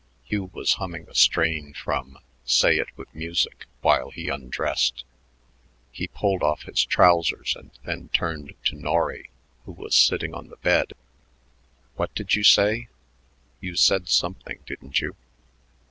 Hugh was humming a strain from "Say it with Music" while he undressed. He pulled off his trousers and then turned to Norry, who was sitting on the bed. "What did you say? You said something, didn't you?"